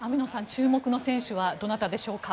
注目の選手はどなたでしょうか？